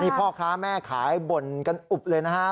นี่พ่อค้าแม่ขายบ่นกันอุบเลยนะฮะ